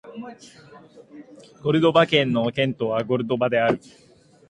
コルドバ県の県都はコルドバである